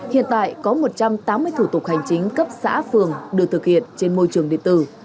hiện tại có một trăm tám mươi thủ tục hành chính cấp xã phường được thực hiện trên môi trường điện tử